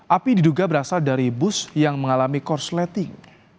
api diduga berasal dari bus yang mengalami korsleting